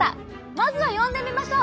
まずは呼んでみましょう！